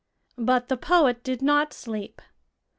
But the poet did not sleep.